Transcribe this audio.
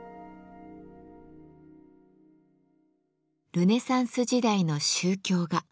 ルネサンス時代の宗教画。